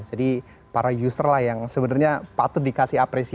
para user lah yang sebenarnya patut dikasih apresiasi